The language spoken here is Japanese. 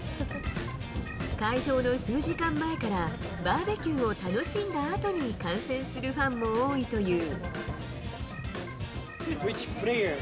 開場の数時間前からバーベキューを楽しんだあとに観戦するファンも多いという。